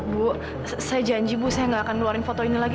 bu saya janji bu saya nggak akan ngeluarin foto ini lagi